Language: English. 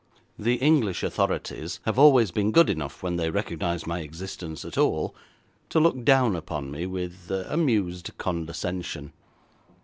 The English authorities have always been good enough, when they recognise my existence at all, to look down upon me with amused condescension.